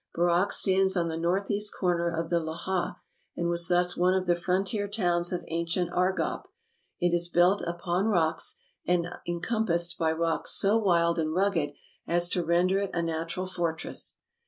Burak stands on the northeast corner of the Lejah, and was thus one of the frontier towns of ancient Argob. It is built upon rocks, and encompassed by rocks so wild and rugged as to render it a natural fortress.